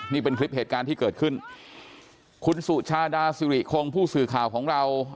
นี่เป็นคลิปเหตุการณ์ที่เกิดขึ้นคุณสุชาดาสิริคงผู้สื่อข่าวของเรา